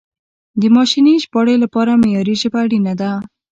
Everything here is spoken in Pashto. د ماشیني ژباړې لپاره معیاري ژبه اړینه ده.